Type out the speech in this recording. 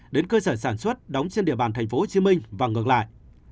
đến cơ sở sản xuất đóng trên địa bàn tp hcm và ngược lại